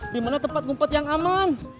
dimana tempat ngumpet yang aman